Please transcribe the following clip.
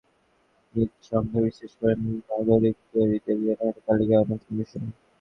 সংবাদপত্রগুলোর বর্ধিত কলেবরের ঈদসংখ্যা বিশেষ করে নাগরিকদের ঈদের কেনাকাটার তালিকার অন্যতম বিষয়।